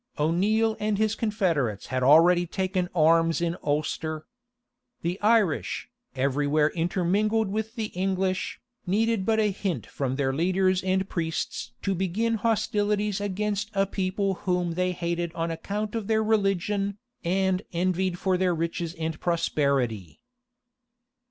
O'Neale and his Confederates had already taken arms in Ulster. The Irish, every where intermingled with the English, needed but a hint from their leaders and priests to begin hostilities against a people whom they hated on account of their religion, and envied for their riches and prosperity.